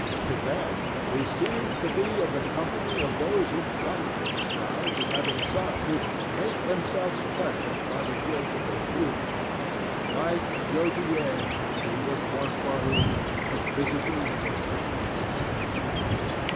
To them he seemed to be of the company of those whom Dante describes as having sought to "make themselves perfect by the worship of beauty." Like Gautier, he was one for whom "the visible world existed."